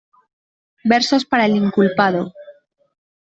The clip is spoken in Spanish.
Versos para el Inculpado.